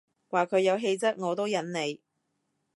話佢有氣質我都忍你